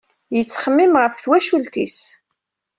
Yettxemmim ɣef twacult-is.